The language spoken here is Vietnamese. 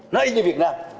nó y như việt nam